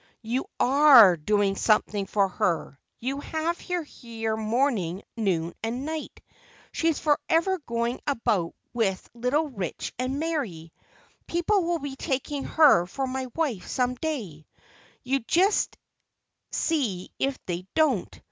"You are doing something for her; you have her here morning, noon, and night. She's forever going about with little Rich and Mary; people will be taking her for my wife some day, you just see if they don't.